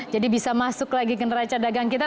jadi bisa masuk lagi ke neraca dagang kita